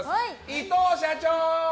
伊藤社長！